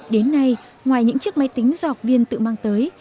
đến nay ngoài những chiếc máy tính do học viên tự mang tới